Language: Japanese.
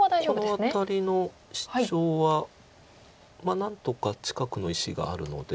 このアタリのシチョウは何とか近くの石があるので。